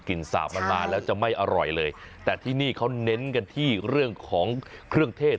สาบมันมาแล้วจะไม่อร่อยเลยแต่ที่นี่เขาเน้นกันที่เรื่องของเครื่องเทศ